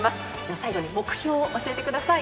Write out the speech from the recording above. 最後に目標を教えてください。